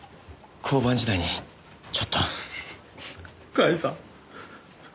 甲斐さん。